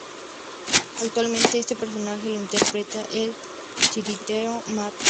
Actualmente este personaje lo interpreta el titiritero Matt Vogel.